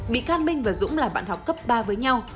bị can minh và dũng là bạn học cấp ba với nhau